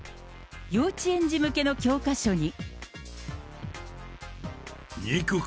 幼稚園児向けの教科書に。